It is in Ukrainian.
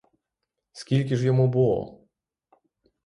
Скільки ж йому було?